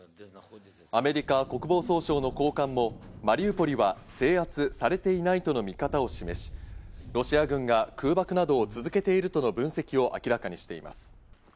アメリカ国防総省の高官もマリウポリは制圧されていないとの見方を示し、ロシア軍が空爆などを続けているとの分析を明らかにしています。